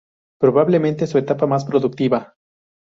Probablemente su etapa más productiva.